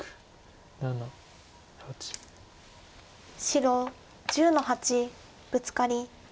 白１０の八ブツカリ。